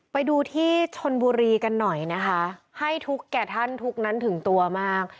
ไปดูที่ชนบุรีกันหน่อยนะคะให้ทุกแก่ท่านทุกนั้นถึงตัวมาก